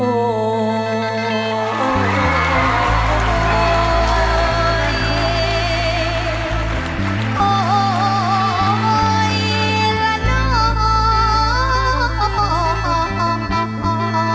โอ๋อุ๊ยอนชนะ